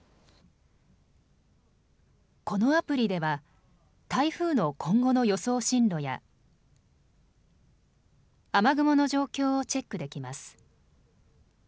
このアプリでは台風の今後の予想進路や雨雲の状況をチェックできます。